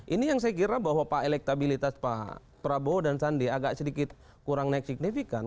ini yang saya kira bahwa pak elektabilitas pak prabowo dan sandi agak sedikit kurang naik signifikan